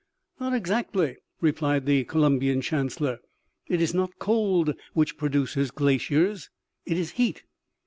" Not exactly," replied the Columbian chancellor. " It is not cold which produces glaciers, it is heat.